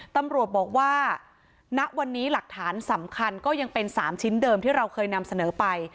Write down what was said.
ตำรวจบอกว่าณวันนี้หลักฐานสำคัญก็ยังเป็น๓ชิ้นเดิมที่เราเคยนำเสนอไป